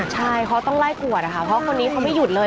ใช่เขาต้องไล่ขวดนะคะเพราะคนนี้เขาไม่หยุดเลย